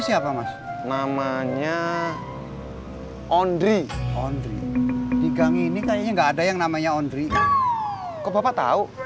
siapa mas namanya ondri ondri digang ini kayaknya enggak ada yang namanya ondri kok bapak tahu